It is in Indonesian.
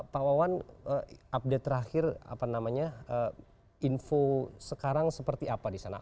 pak wawan update terakhir apa namanya info sekarang seperti apa di sana